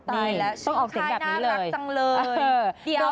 ต้องออกเสียงแบบนี้เลย